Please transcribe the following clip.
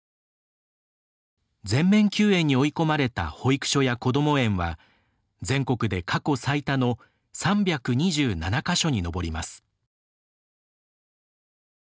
全面休園に追い込まれた保育所や子ども園は全国で過去最多の３２７か所に上ります。